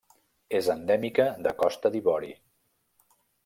És endèmica de Costa d'Ivori.